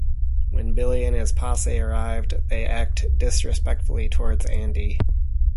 When Billy and his posse arrive, they act disrespectfully towards Andy.